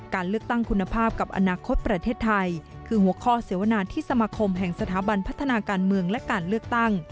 การเลือกตั้งคุณภาพกับอนาคตประเทศไทยคือหัวข้อเสวนาที่สมาคมแห่งสถาบันพัฒนาการเมืองและการเลือกตั้ง